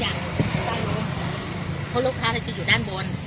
ด้านนู้นเพราะลูกค้าจะอยู่ด้านบน